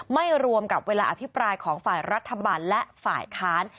ไม่รวมกับเวลาอภิปรายของฝ่ายรัฐบาลและฝ่ายค้าน